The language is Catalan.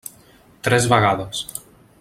Tres vegades.